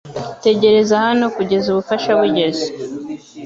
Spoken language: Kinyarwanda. Tegereza hano kugeza ubufasha bugeze .